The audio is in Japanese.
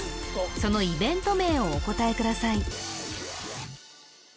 そのイベント名をお答えください